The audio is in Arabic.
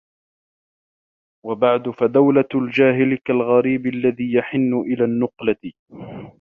وَبَعْدُ فَدَوْلَةُ الْجَاهِلِ كَالْغَرِيبِ الَّذِي يَحِنُّ إلَى النُّقْلَةِ